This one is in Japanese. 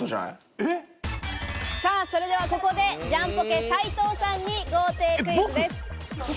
さあ、それではここでジャンポケ・斉藤さんに豪邸クイズです。